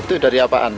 itu dari apaan